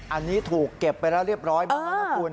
อันนี้ถูกเก็บไปแล้วเรียบร้อยบ้างแล้วนะคุณ